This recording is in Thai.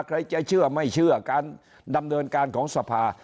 ใครจะเชื่อไม่เชื่อการดำเนินการของสภา